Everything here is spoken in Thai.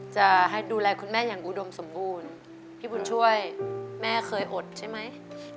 จะให้ดูแลคุณแม่อย่างอุดมสมบูรณ์พี่บุญช่วยแม่เคยอดใช่ไหม